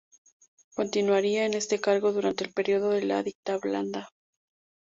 Continuaría en este cargo durante el período de la dictablanda.